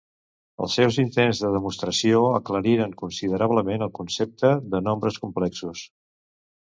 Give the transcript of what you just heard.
Els seus intents de demostració aclariren considerablement el concepte de nombres complexos.